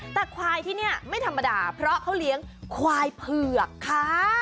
แต่ควายที่นี่ไม่ธรรมดาเพราะเขาเลี้ยงควายเผือกค่ะ